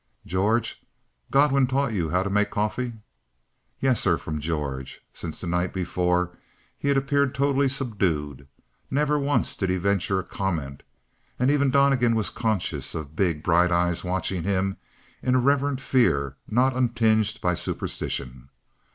"George, Godwin taught you how to make coffee?" "Yes, sir," from George. Since the night before he had appeared totally subdued. Never once did he venture a comment. And ever Donnegan was conscious of big, bright eyes watching him in a reverent fear not untinged by superstition.